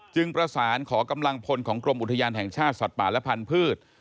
ประสานขอกำลังพลของกรมอุทยานแห่งชาติสัตว์ป่าและพันธุ์